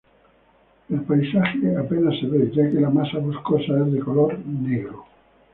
El paisaje apenas se ve, ya que la masa boscosa es de color negro.